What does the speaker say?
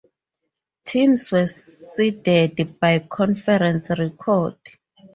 Teams were seeded by conference record.